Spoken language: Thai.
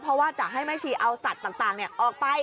เพราะว่าจะให้แม่ชีเอาสัตว์ต่างออกไป